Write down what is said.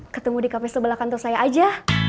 ketemu di kafe sebelah kantor saya aja